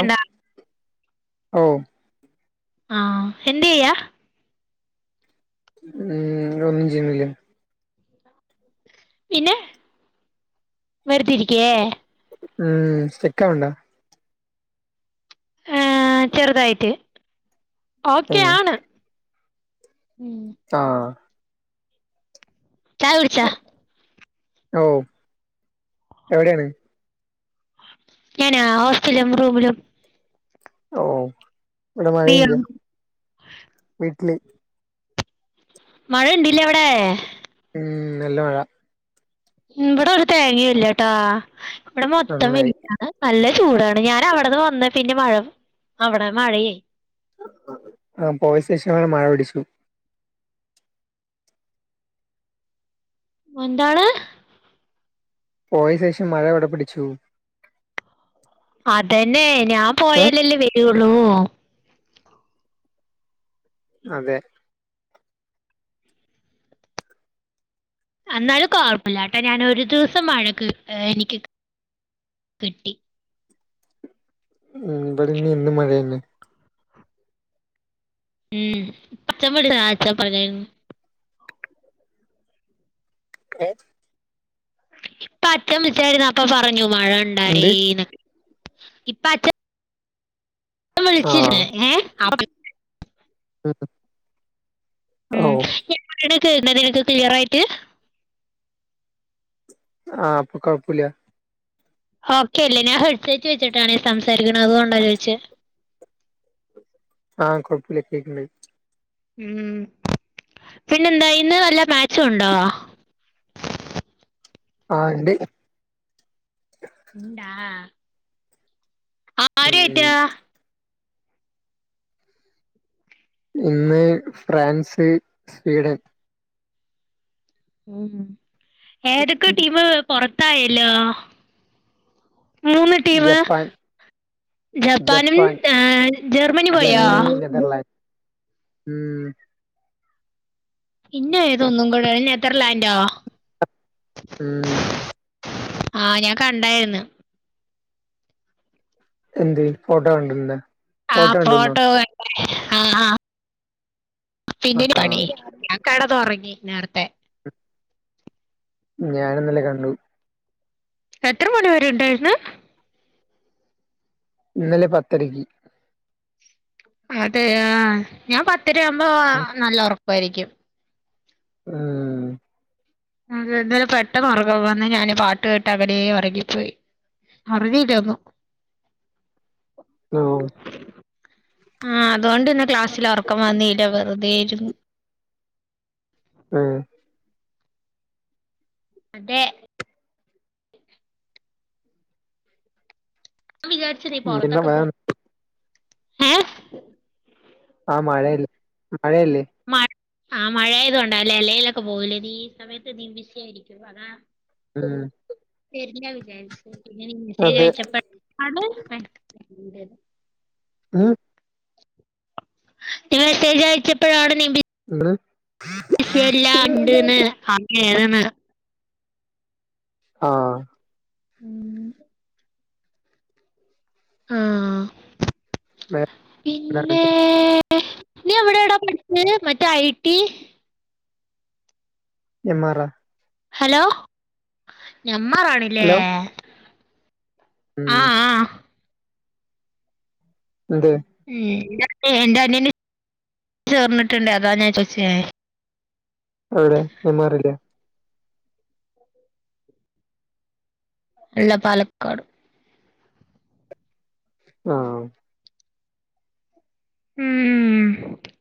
ണ്ടാ ഓ ആഹ് എന്തായ? ഉം ഒന്നു ചെയ്യുന്നില്ല. പിന്നെ വേർതിരികെ ഉം സ്റ്റക്ക് ആവണ്ട ന്നാ ചെറുതായിട്ട് ഓക്കെ ഉം ആണ് ഉം ആഹ് ചായകുടിച്ചാ ഓ എവിടെയാണ് ഞാനാ ഹോസ്റ്റലിലും റൂമിലും ഓ ഇവിടെ നീയോ മഴയില്ല്യ വീട്ടില് മഴണ്ട്ല്ലേ അവിടെ ഉം നല്ല മഴ ഉം ഇവട ഒരു തേങ്ങയും ഇല്ലട്ടാ ഇവിടെ മൊത്തം നന്നായി വെയ്ലാ. നല്ല ചൂടാണ് ഞാൻ അവിടന്ന് വന്ന പിന്നെ മഴ അവിടെ മഴയെ ആഹ് പോയ ശേഷമാ മഴപൊടിച്ചതും എന്താണ് പോയ ശേഷം മഴവിട പിടിച്ചു അതന്നെ ഞാൻ ഏ പോയാലല്ലേ വരുള്ളൂ അതെ അന്നാലും കുഴപ്പമില്ലാട്ട ഞാൻ ഒരു ദിവസം വഴക്ക് എനിക്ക് കിട്ടി ഉം ഇവിടെഞ്ഞിന്നും മഴയന്നെ ഉം പച്ചമ്മ സായ്ട്ച്ചാം പറ്യാർന്ന് ഏ പ്പ അച്ചൻ വിള്ച്ചേര്ന്നപ്പോ പറഞ്ഞു എന്ത് മഴണ്ടായീന്ന് ഇപ്പ അച്ച ആഹ് വിളിച്ചില്ലേ ഏ [inaudible] ഉം എങ്ങാണ് കേക്കുന്നത് നിനക്ക് ക്ലിയർ ആയിട്ട് ആഹ് പ്പൊ കുഴപ്പൊല്യാ ഓക്കെ അല്ലെ ഞാ ഹെഡ്സെറ്റ് വെച്ചിട്ടാണ് സംസാരിക്കണ അതുകൊണ്ടാ ചോദിച്ചെ ആഹ് കൊഴപ്പല്യ കേക്ക്ണ്ട് ഉം ഉം പിന്നെന്തായി ഇന്ന് വല്ല മാച്ചും ഉണ്ടോ ആ ഇണ്ട് ണ്ടാ മ് ഇന്ന് ഫ്രാൻസ് സ്പീഡൻ മ് ഏതൊക്കെ ടീമ് പുറത്തായല്ലോ മൂന്ന് ടീം ജപ്പാൻ ജപ്പാനും ജപ്പൻ ആ, ജർമ്മനി പോയോ ജർമ്മനി നെദർലാൻഡ് മ്മ് പിന്നെ ഏതൊന്നും കൂടെ നെതർലാൻഡോ ഉം ആ ഞാൻ കണ്ടായിന്ന് എന്ത് ഫോട്ടോ കണ്ടിരുന്നെ ആ ഫോട്ടോ ക ആ ആ പിന്നൊരു ആഹാ പണി ഞാൻ കെടന്നൊറങ്ങി നേരത്തെ ഞാൻ ഇന്നലെ കണ്ടു എത്ര മണിവരെ ഉണ്ടായിന്ന് ഇന്നലെ പത്തരക്ക് അതെ ആ ഞാൻ പത്തര ആവുമ്പോ നല്ല ഉറക്കായിരിക്കും [inaudible] അത ഇന്നലെ പെട്ടെന്ന് ഉറക്കം വന്നു ഞാൻ പാട്ട് കേട്ട് അങ്ങനെ ഇറങ്ങിപ്പോയി അറിഞ്ഞില്ല ഒന്നും ലോ ആ അതുകൊണ്ട്ന്നെ ക്ലാസ്സിൽ ഉറക്കം വന്നില്ല വെറുതെയിരുന്നു മ് അതെ ഞാൻ വിചാരിച്ച് നീ പിന്നെ പൊറത്തൊക്കെ വേ പോ ഏ ആഹ് മഴയില്ല മഴയില്ലേ മഴ് ആഹ് മഴ ആയതു കൊണ്ട അല്ലേ അല്ലേലക്കെ പോവൊല്ലേ നീ ഈ സമയത്ത് നീ ബിസിയാരി ഇരുവതാ മ്ഹ് വെരില്ല വിചാരിച്ചു പിന്നെ നീ മെസ്സേജ് അതെ അയച്ചപ്പോ ആണ് [unintelligible] അഹ് ഞാൻ മെസ്സേജ് അയച്ചപ്പഴാണ് നീ ബി എന്ത് ക്ഷെ എല്ലാ ഇണ്ട്ന്ന് [unintelligible] ആഹ് ഉം ആഹ് പിന്നെ നീ എവിടേടാ പഠിച്ചത് മറ്റേ I T Nenmara hello Nenmara ആണില്ലേ ഹലോ ഉം ആഹ് ആഹ് എന്തെ ഉം [unintelligible] എന്റെ അനിയനും ചേർന്നിട്ടുണ്ട് അതാ ഞാൻ ചോദിച്ചേ എവിടെ നെന്മാറേലാ അല്ല പാലക്കാട് ആഹ് മ്ഹ്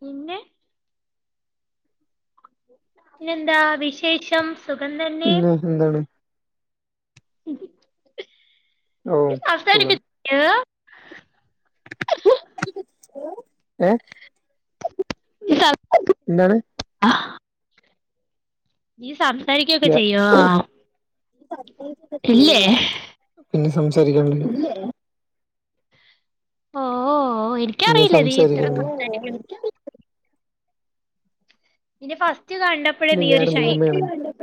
പിന്നെ പിന്നെ എന്താ വിശേഷം സുഖം തന്നെ പിന്നെ എന്താണ് ഓഹ് നീ സംസാരിക്ക സുഖം ഏഹ് എന്താണ് അഹ് നീ സംസാരിക്കുകയൊക്കെ ഇല്ല ചെയ്യോ ഇല്ലേ പിന്നെ സംസാരിക്കാണ്ടിരി ഇല്ലേ ഓഹ് ഓഹ് എനി പിന്നെ സംസാരിക്കണ്ടേ ഓഹ് നിന്നെ ഫസ്റ്റ് കണ്ടപ്പഴേ പിന്നെ നീ ഒരു ഷൈ [unintelligible]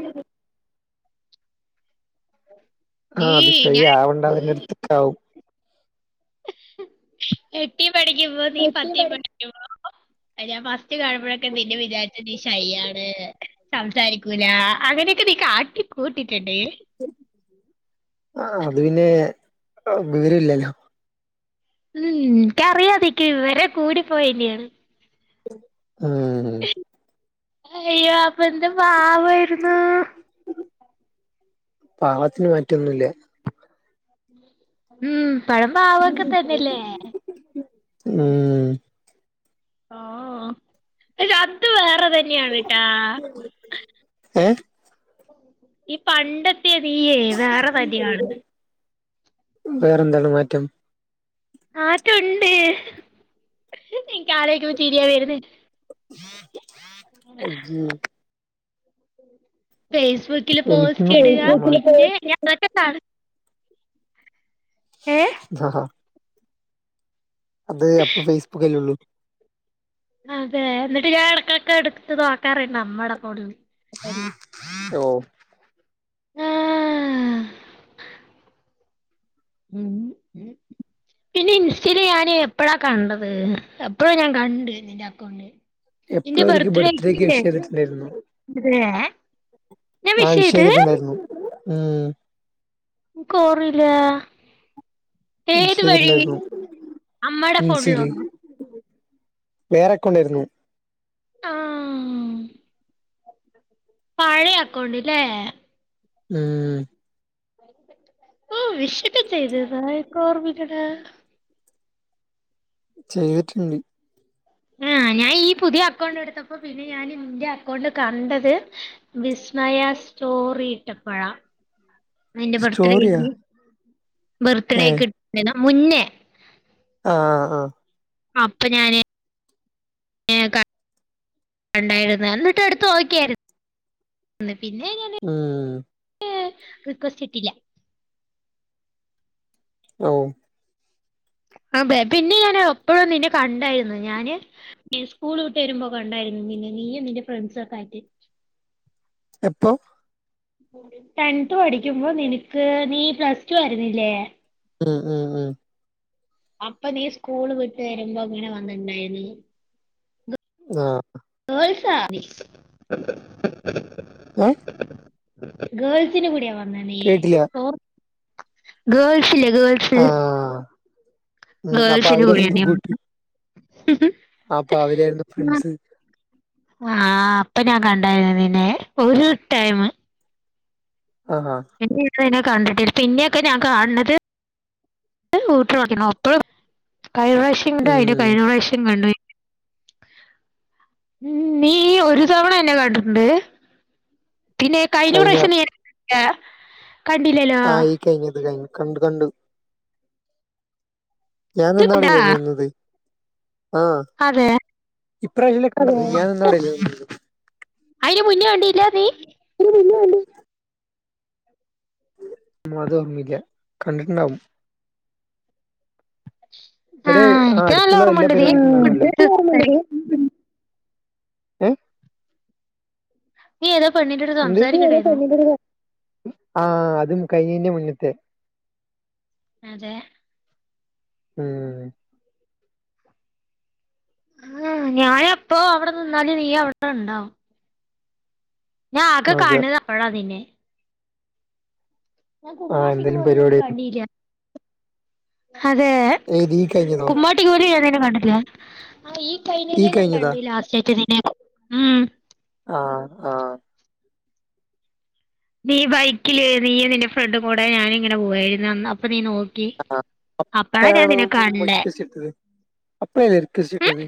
നീ ആഹ് അത് ഷൈ ഞാൻ ആവണ്ടാ [unintelligible] ആവും എട്ടീ പഠിക്കുമ്പോ നീ പത്തീ പഠിക്കുന്നു അ ഞാൻ ഫസ്റ്റ് കാണുമ്പൊഴക്കെ നിന്നെ വിചാരിചേ നീ ശൈ ആണ് സംസാരിക്കൂല അങ്ങനെയൊക്കെ നീ കാട്ടി കൂട്ടിയിട്ടുണ്ട് ആഹ് അത് പിന്നെ വിവരം ഇല്ലല്ലോ ഉം എനിക്കറിയാം നിക്ക് വിവരം കൂടി പോയെന്നു മ്ഹ് അയ്യോ അപ്പൊ എന്ത് പാവായിരുന്നു പാവത്തിന് മാറ്റൊന്നുല്ല ഉം ഇപ്പഴും പാവൊക്ക തന്നല്ലേ ഉം ഓഹ് [unintelligible] വേറെ ഇതന്നെയാണ് കേട്ടാ ഏഹ് ഈ പണ്ട് [unintelligible] വേറെ വലിയ ആണുങ്ങ വേറെന്താണ് മാറ്റം ആക്കെ ഉണ്ട് നിനക്ക് ആലോയിക്കുമ്പോ ചിരിയാ വരുന്ന ജ ഫേസ്ബുക്കില് എനിക്കും പോസ്റ്റ് ഇടുക പിന്നെ ഞ അതൊക്കെ കാണ ഏഹ് ഹാ അത് അപ്പൊ ഫേസ്ബുക്കല്ലേ ഉള്ളൂ അതെ എന്നിട്ട്ഞാ ഇടക്കൊക്കെ എടുത്ത് നോക്കാറണ്ട് നമ്മട ഫോ ഓ ഉം പിന്നെ ഇൻസ്റ്റൽ ഞാൻ എപ്പഴാ കണ്ടത് എപ്പോഴാ ഞാൻ കണ്ട് നിറെ തന്നേ എപ്പോഴും അവർക്ക് ബർത്ത് ഡേക്ക് വിഷംട്ടുണ്ടായിരുന്നു അതെ ആഹ വിഷ് ചെയ്തിട്ടുണ്ടായിരുന്നു ഉം ക്ക് ഓറല്ല വിഷ് ഏത് വഴി ചെയ്തിട്ടുണ്ടായിരുന്നു അമ്മയുടെ ഇൻസ്റ്റയില് ഫോണിലോന്നോ വേറെ അക്കൗണ്ടിരുന്നു ആഹ് പഴയ അക്കൗണ്ട് ല്ലേ ഉം [inaudible] ഓ വിഷക്കെ ചെയ്തതാ ർ വിട ചെയ്തിട്ടുണ്ട് ആഹ് ഞാൻ ഈ പുതിയ അക്കൗണ്ട് എടുത്തപ്പോ പിന്നെ ഞാൻ നിന്റെ അക്കൗണ്ട് കണ്ടത് വിസ്മയ സ്റ്റോറി ഇട്ടപ്പുഴ നിന്റെ സ്റ്റോറിയാ ബർത്ത്ഡേക്ക് ഏഹ് ബർത്ത്ഡേക്ക് ഇട്ട മുന്നേ ആഹ് അപ്പൊ ഞാന് കണ്ടായിരരുന്നു എന്നിട്ട് എടുത്ത് നോക്കിയായിരുന്നുന്ന് പിന്നെ ഉം ഏഹ് റിക്വസ്റ്റ് ഇിട്ടില്ല ഓഹ് അതെ പിന്നെ ഞാൻ എപ്പഴും നിന്നെ കണ്ടായിരുന്നു ഞാന് സ്കൂൾ വിട്ട് വരുമ്പോ കണ്ടായിരുന്നു നിന്നെ നീയും നിന്റെ ഫ്രണ്ട്സും ഒക്കെ ആയിട്ട് എപ്പോ ടെൻത് പഠിക്കുമ്പോ നിനക്ക് നീ പ്ലസ് ടു ആരുന്നില്ലേ ഉം ഉം ഉം അപ്പൊ നീ സ്കൂള് വിട്ട് വരുമ്പോ അങ്ങനെ വന്നിട്ടണ്ടായിരുന്നു ആഹ് ദോവ്സായി ഏഹ് ഗേൾസിന്റെ കൂടയാ വന്നെ നീ കേട്ടില്ല ഗേൾസ് ല്ലേ ഗേൾസ് ആഹ് ഉം അപ്പൊ ഗേൾസിന് പോണ അവരായിരുന്നു കൂട്ട് അപ്പൊ അവരായിരുന്ന ഫ്രണ്ട്സ് ആഹ് അപ്പ ഞാൻ കണ്ടായിരുന്നു നിന്നെ ഒരു ടൈം ആഹ് ഇതിനെ കണ്ടിട്ടില്ല പിന്നെയൊക്ക ഞാൻ കാണത് ഊട്ടയ്ക്കണം അപ്പഴും കഴിഞ്ഞ പ്രാവശ്യം കണ്ട അയിന് ഉം കഴിഞ്ഞ പ്രാവശ്യം കണ്ടു നീ ഒരു തവണ എന്നെ കണ്ടിട്ടുണ്ട് പിന്നെ കഴിഞ്ഞ പ്രാവശ്യം നീ എന്നെ കണ്ടില്ലല്ലോ ആ ഈ കഴിഞ്ഞത് കഴിഞ്ഞ് കണ്ട് കണ്ടു ഞാൻ ഇജ്ജ് കണ്ടാ നിന്നാടല്ലേ നിന്നത് ആഹ് അതെ ഈ പ്രാവശ്യക്ക ഞാൻ ഇന്നോട അയിന് മുന്നേ കണ്ടീല്ല നീ [unintelligible] അത് ഓർമ്മില്ല കണ്ടിട്ടുണ്ടാവും ഇവിടെ ആഹ് എനിക്ക് നല്ല അടുത്തുള്ള എല്ലാ ഓർമ്മണ്ട് നീ പരിപാടികളും നീ ഏതോ പെണ്ണിന്റെ അടുത്ത് സംസാരിക്കണ്ടായിരുന്നു ആഹ് അതും കഴിഞ്ഞീന്റെ മുന്നത്തെ അതെ ഉം ആഹ് ഞാൻ എപ്പോ അവിടെ നിന്നല് നീ അവിടെ ഉണ്ടാവും ഞാൻ ആകെ അതെ കാണുക അപ്പഴാ നിന്നെ ഞാൻ ആ കുമ്മാട്ടിക്ക് എന്തേലും പോയത് നിന്നെ പരിപാടി കണ്ടീല്ല അതെ ഏത് ഈ കഴിഞ്ഞതോ കുമ്മാട്ടിക്ക് പോയിട്ടും ഞാൻ നിന്നെ കണ്ടിട്ടില്ല ആഹ് ഈ ഫൈനല രണ്ടാണ്ട് ലാസ്റ്റ് ഡേറ്റ് നിനെ ഉം ആഹ് ആഹ് നീ ബൈക്കില് നീയും നിന്റെ ഫ്രണ്ടും കൂടെ ഞാൻ ഇങ്ങനെ പോവായിരുന്നുന്ന് അപ്പൊ നീ നോക്ക ആഹ് അപ്പഴാണ് കണ്ടേ റിക്വസ്റ്റ് ഇട്ടത് അപ്പഴ റിക്വസ്റ്റ് ഉം ഇട്ടത്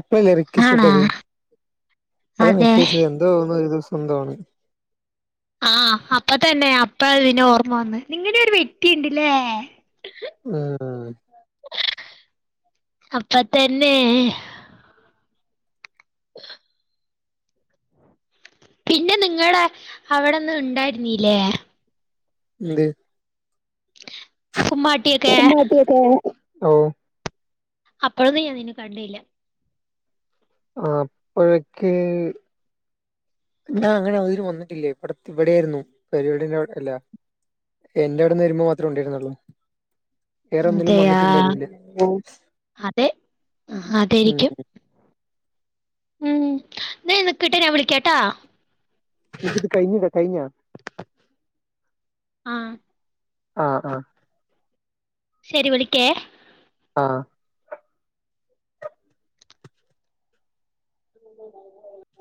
അപ്പോഴല്ല റിക്വസ്റ്റ് ആണാ ഇട്ടത് അതോ അതെ മെസ്സേജ് അയച്ചത് എന്തോന്ന ഒരു ദിവസം എന്തോണ് ആഹ് അപ്പ തന്നെ അപ്പ നിന്ന ഓർമ്മ വന്ന ഇങ്ങനാ ഒരു വ്യക്തിയുണ്ടല്ലേ ആഹ് അപ്പൊ തന്നെ പിന്നെ നിങ്ങള അവിടെന്ന് ഉണ്ടായിരുന്നില്ലേ എന്തെ കുമ്മാട്ടിയൊക്കെ മടിയൊക്കെ ഓ അപ്പോഴന്നും ഞാൻ നിന്നെ കണ്ടില്ല ആഹ് അപ്പോഴോക്കെ ഞാൻ അങ്ങനെ ആ വഴി വന്നിട്ടില്ല ഇവിടത്ത് ഇവിടെയായിരുന്നു പരിപാടിന്റെ അല്ല എന്റെ അവിടുന്ന് വരുമ്പോ മാത്രമേ ഉണ്ടായിരുന്നുള്ളൂ വേറെ ഒന്നിലും അതെയാ വന്നിട്ടുണ്ടായിരുന്നില്ലേ അതെ അതായിരിക്കും ഉം നി നിക്കിട്ടോ ഞാൻ വിളിക്കാട്ടാ ഇത് കഴിഞ്ഞോ കഴിഞ്ഞോ ആഹ് ആഹ് ആഹ് ശരി വിളിക്കേ ആഹ് [inaudible]